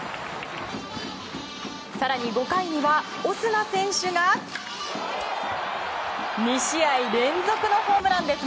更に、５回にはオスナ選手が２試合連続のホームランです。